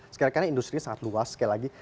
sekarang karena industri sangat luas sekali lagi